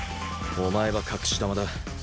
お前は隠し玉だ。